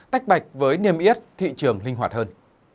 tách bạch với niềm yết thị trường linh hoạt hơn